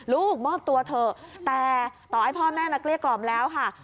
มอบตัวเถอะแต่ต่อให้พ่อแม่มาเกลี้ยกล่อมแล้วค่ะ